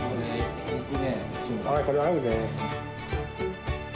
これ、合うねえ。